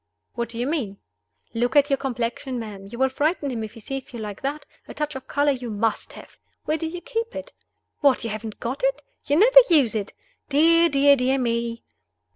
"What do you mean?" "Look at your complexion, ma'am. You will frighten him if he sees you like that. A touch of color you must have. Where do you keep it? What! you haven't got it? you never use it? Dear, dear, dear me!"